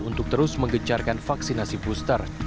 untuk terus menggencarkan vaksinasi booster